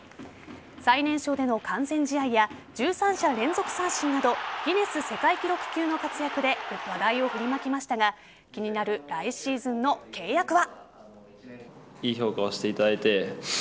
最年少での完全試合や１３者連続三振などギネス世界記録級の活躍で話題を振りまきましたが気になる、来シーズンの契約は。